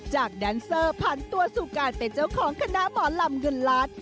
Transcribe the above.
จากแดนเซอร์ผ่านตัวสู่การเป็นเจ้าของคณะหมอลำเงินล้าน